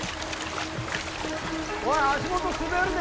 おい足元滑るで。